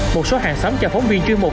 một số hàng xóm cho phóng viên chuyên mục